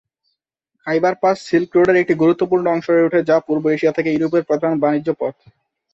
খাইবার pass silk রোডের একটি গুরুত্বপূর্ণ অংশ হয়ে ওঠে, যা পূর্ব এশিয়া থেকে ইউরোপের প্রধান বাণিজ্য পথ।